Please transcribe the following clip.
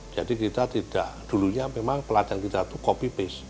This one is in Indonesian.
jadi kita tidak dulunya memang pelatihan kita itu copy paste